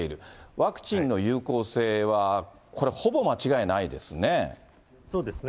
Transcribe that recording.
ワクチンの有効性は、これ、ほぼ間違いないですね。